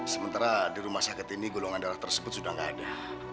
sementara di rumah sakit ini golongan darah tersebut sudah tidak ada